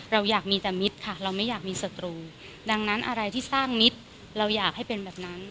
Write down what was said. เราอยากมีแต่มิตรค่ะเราไม่อยากมีศัตรูดังนั้นอะไรที่สร้างมิตรเราอยากให้เป็นแบบนั้น